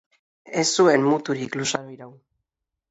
Ez zuen muturik luzaro iraun.